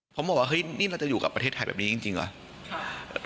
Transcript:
ผมบอกว่าเฮ้ยนี่เราจะอยู่กับประเทศไทยแบบนี้จริงเหรอ